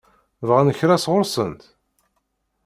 Bɣan kra sɣur-sent?